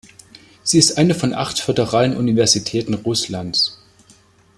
Sie ist eine von acht Föderalen Universitäten Russlands.